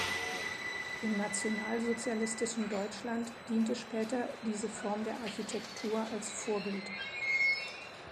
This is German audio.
Im nationalsozialistischen Deutschland diente später diese Form der Architektur als Vorbild.